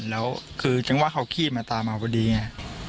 แล้วคือจังหวะเขาขี่มาตามมาพอดีไง